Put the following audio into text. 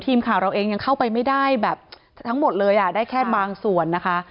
ทีมข่าวเราเองยังเข้าไปไม่ได้แบบทั้งหมดเลยอ่ะได้แค่บางส่วนนะคะ